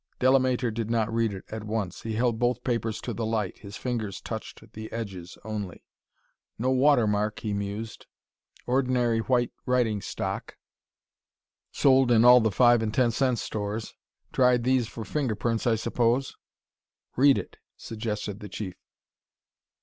Delamater did not read it at once. He held both papers to the light; his fingers touched the edges only. "No watermark," he mused; "ordinary white writing stock sold in all the five and ten cent stores. Tried these for fingerprints I suppose?". "Read it," suggested the Chief.